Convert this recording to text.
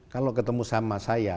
kalau ketemu sama saya